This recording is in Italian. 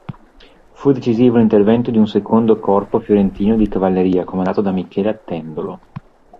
Fu decisivo l'intervento di un secondo corpo fiorentino di cavalleria comandato da Michele Attendolo.